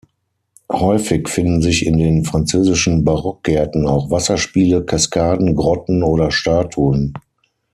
Häufig finden sich in den französischen Barockgärten auch Wasserspiele, Kaskaden, Grotten oder Statuen.